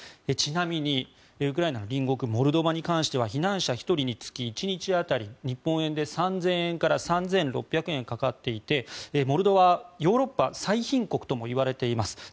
ちなみにウクライナ隣国モルドバに関しては避難者１人につき１日当たり日本円で３０００円から３６００円かかっていてモルドバはヨーロッパ最貧国ともいわれています。